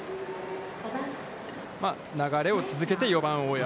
流れを続けて４番大山。